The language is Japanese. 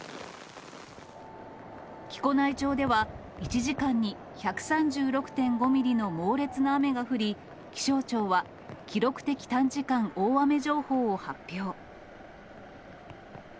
木古内町では１時間に１３６．５ミリの猛烈な雨が降り、気象庁は記録的短時間大雨情報を発表。